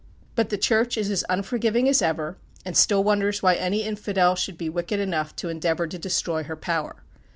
But the Church is as unforgiving as ever, and still wonders why any Infidel should be wicked enough to endeavor to destroy her power.